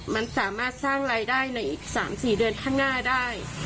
มันสามารถสร้างรายได้ในอีก๓๔เดือนข้างหน้าได้